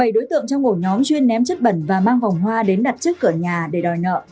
bảy đối tượng trong ổ nhóm chuyên ném chất bẩn và mang vòng hoa đến đặt trước cửa nhà để đòi nợ